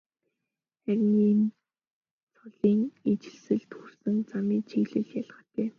Харин ийм цолын ижилсэлд хүрсэн замын чиглэл ялгаатай.